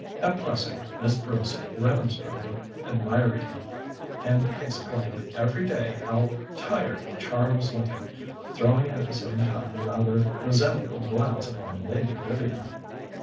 At Plessing Miss Bruce remonstrated admiringly, and exclaimed every day how tired Char was looking, throwing at the same time a rather resentful glance upon Lady Vivian.